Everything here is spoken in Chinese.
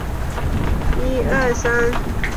她还是拒绝了